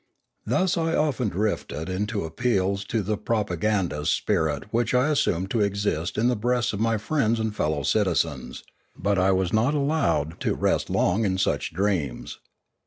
Thus I often drifted into appeals to the propagandist spirit which I assumed to exist in the breasts of my friends and fellow citizens, but I was not allowed to rest long in such dreams.